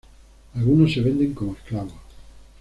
Algunos se venden como esclavos.